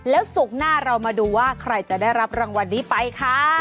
แล้วศุกร์หน้าเรามาดูว่าใครจะได้รับรางวัลนี้ไปค่ะ